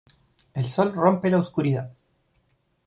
El sol rompe la oscuridad.